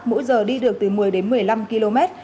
mỗi giờ đi được từ một mươi đến một mươi năm km